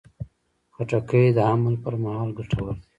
خټکی د حمل پر مهال ګټور دی.